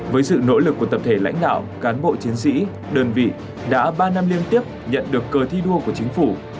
với sự nỗ lực của tập thể lãnh đạo cán bộ chiến sĩ đơn vị đã ba năm liên tiếp nhận được cờ thi đua của chính phủ